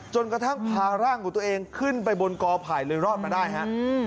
กระทั่งพาร่างของตัวเองขึ้นไปบนกอไผ่เลยรอดมาได้ฮะ